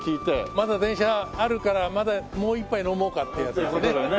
まだ電車があるからもう１杯飲もうかっていうやつですね。